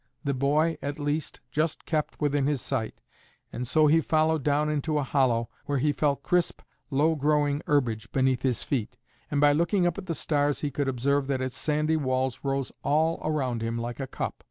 The boy, at least, just kept within his sight; and so he followed down into a hollow, where he felt crisp, low growing herbage beneath his feet, and by looking up at the stars he could observe that its sandy walls rose all around him like a cup.